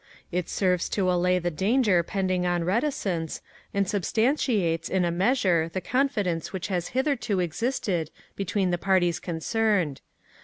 It serves to allay the danger pending on reticence, and substantiates in a measure the confidence which has hitherto existed between the parties concerned.